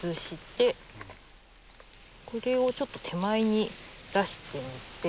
これをちょっと手前に出してみて。